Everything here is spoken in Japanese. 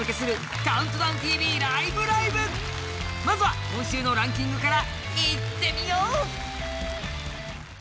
まずは今週のランキングからいってみよう！